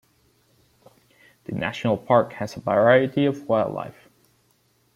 The national park has a variety of wildlife.